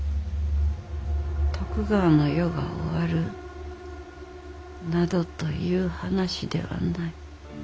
徳川の世が終わるなどという話ではない。